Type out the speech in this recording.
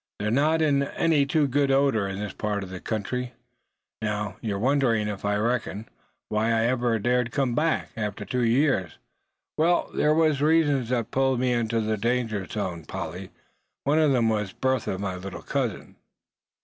They're not in any too good odor in this part of the country. Now, you're wondering, I reckon, why I ever dared come back, after two years. Well, there were reasons that pulled me into the danger zone, Polly. One of them was Bertha, my little cousin."